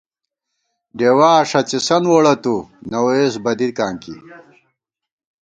ڈېوا ݭَڅِسن ووڑہ تُو ، نہ ووئیس بَدِکاں کی